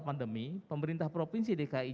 pandemi pemerintah provinsi dki